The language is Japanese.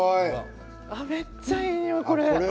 めっちゃいいにおい、これ。